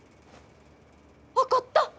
分かった！